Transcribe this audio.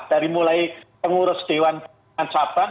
dari mulai pengurus dewan pimpinan sabang